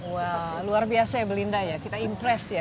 wah luar biasa ya belinda ya kita impress ya